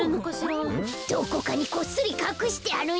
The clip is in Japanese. どこかにこっそりかくしてあるんじゃ？